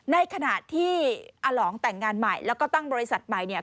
ในขณะที่อลองแต่งงานใหม่แล้วก็ตั้งบริษัทใหม่เนี่ย